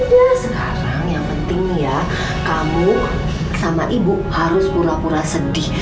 ya sekarang yang penting ya kamu sama ibu harus pura pura sedih